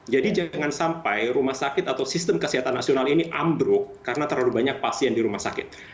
jadi jangan sampai rumah sakit atau sistem kesehatan nasional ini ambruk karena terlalu banyak pasien di rumah sakit